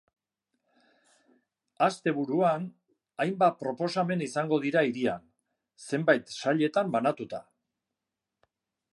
Asteburuan, hainbat proposamen izango dira hirian, zenbait sailetan banatuta.